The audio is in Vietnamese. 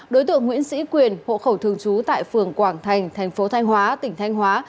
đối tượng nguyễn sĩ quyền hộ khẩu thường trú tại phường quảng thành thành phố thanh hóa tỉnh thanh hóa